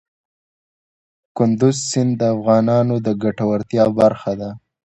کندز سیند د افغانانو د ګټورتیا برخه ده.